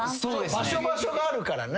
場所場所があるからね。